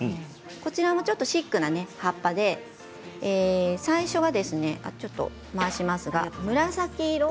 こちらもちょっとシックな葉っぱでちょっと回しますが最初は紫色。